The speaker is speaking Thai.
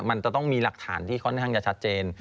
มันจะต้องมีหลักฐานที่ค่อนข้างจะชัดเจน